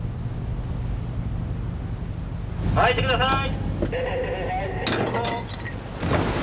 巻いてください！